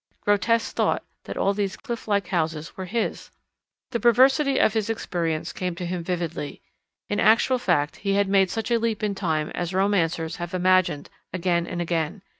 Grotesque thought, that all these cliff like houses were his! The perversity of his experience came to him vividly. In actual fact he had made such a leap in time as romancers have imagined again and again.